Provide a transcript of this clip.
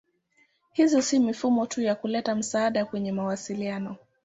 Hizo si mifumo tu ya kuleta msaada kwenye mawasiliano.